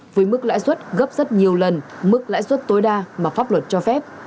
với mức lãi suất gấp rất nhiều lần mức lãi suất tối đa mà pháp luật cho phép